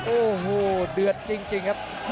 โอ้โหเดือดจริงครับ